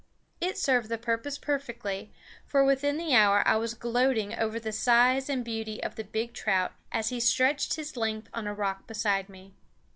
It served the purpose perfectly, for within the hour I was gloating over the size and beauty of the big trout as he stretched his length on the rock beside me.